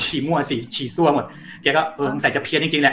มั่วฉี่ฉี่ซั่วหมดแกก็เออสงสัยจะเพี้ยนจริงจริงแหละ